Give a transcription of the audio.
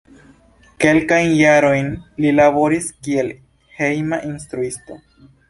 Kelkajn jarojn li laboris kiel hejma instruisto.